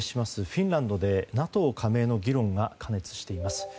フィンランドでＮＡＴＯ加盟の議論が過熱しています。